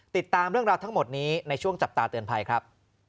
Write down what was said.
ติดตามเรื่องราวทั้งหมดนี้ในช่วงจับตาเตือนภัยครับ